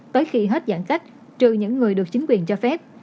tới khi hết giãn cách trừ những người được chính quyền cho phép